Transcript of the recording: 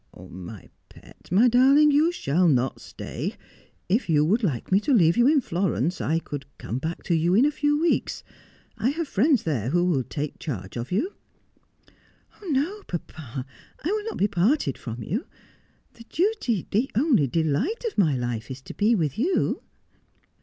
' My pet, my darling, you shall not stay. If you would like o 194 Just as I Am. me to leave you in Florence, I could come back to you in a few weeks. I have friends there who would take charge of you.' ' No, papa, I will not be parted from you. The duty, the only delight of my Kfe is to be with you